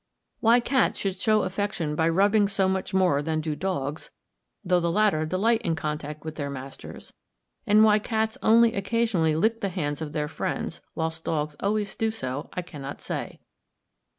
Why cats should show affection by rubbing so much more than do dogs, though the latter delight in contact with their masters, and why cats only occasionally lick the hands of their friends, whilst dogs always do so, I cannot say.